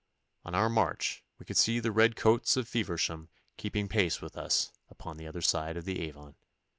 On our march we could see the red coats of Feversham keeping pace with us upon the other side of the Avon.